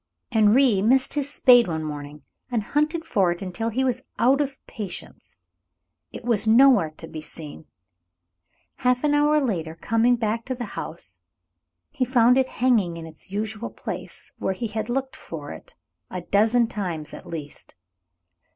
Henri missed his spade one morning, and hunted for it until he was out of patience. It was nowhere to be seen. Half an hour later, coming back to the house, he found it hanging in its usual place, where he had looked for it a dozen times at least.